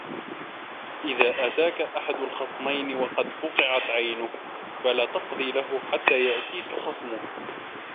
إذا أتاك أحد الخصمين وقد فُقِئَتْ عينه فلا تقض له حتى يأتيك خصمه